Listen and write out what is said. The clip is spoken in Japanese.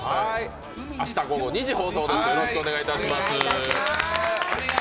明日午後２時放送です。